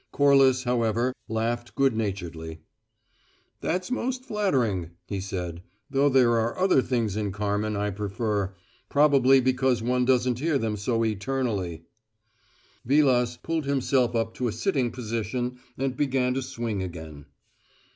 Corliss, however, laughed good naturedly. "That's most flattering," he said; "though there are other things in `Carmen' I prefer probably because one doesn't hear them so eternally." Vilas pulled himself up to a sitting position and began to swing again.